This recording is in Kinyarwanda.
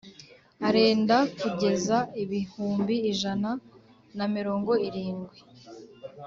Arenda kugeza ibihumbi ijana namirongo irindwi